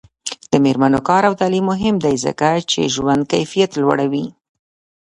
د میرمنو کار او تعلیم مهم دی ځکه چې ژوند کیفیت لوړوي.